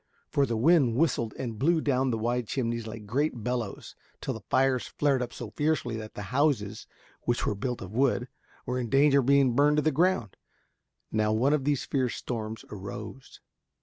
For the wind whistled and blew down the wide chimneys like great bellows, till the fires flared up so fiercely that the houses, which were built of wood, were in danger of being burned to the ground. Now one of these fierce storms arose.